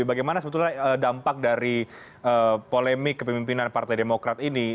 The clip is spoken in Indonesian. bagaimana sebetulnya dampak dari polemik kepemimpinan partai demokrat ini